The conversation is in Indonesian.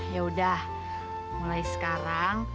yaudah mulai sekarang